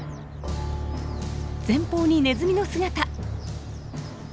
前方にネズミの姿！